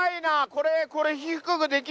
これ。